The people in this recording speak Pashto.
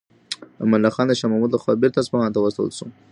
امان الله خان د شاه محمود لخوا بیرته اصفهان ته راستون شو.